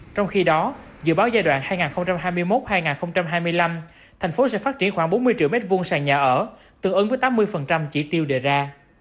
trong khi đó dự báo giai đoạn hai nghìn hai mươi một hai nghìn hai mươi năm thành phố sẽ phát triển khoảng bốn mươi triệu m hai sàn nhà ở tương ứng với tám mươi chỉ tiêu đề ra